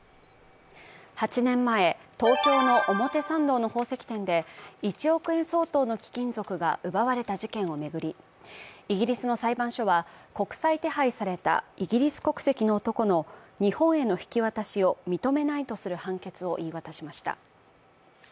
８年前、東京の表参道の宝石店で１億円相当の貴金属が奪われた事件を巡り、イギリスの裁判所は国際手配されたイギリス国籍の男の日本への引き渡しを認めないとする判決を言い渡しました。